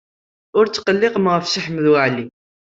Ur tetqellqem ɣef Si Ḥmed Waɛli.